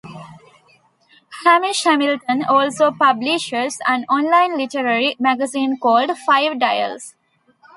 Hamish Hamilton also publishes an online literary magazine called "Five Dials".